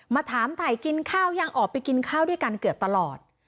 มาถามถ่ายกินข้าวยังออกไปกินข้าวด้วยกันเกือบตลอด